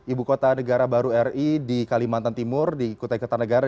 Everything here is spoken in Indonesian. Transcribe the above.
ibu kota negara baru ri di kalimantan timur di kota ikarta negara